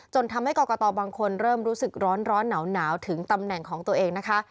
ทำให้กรกตบางคนเริ่มรู้สึกร้อนหนาวถึงตำแหน่งของตัวเองนะคะ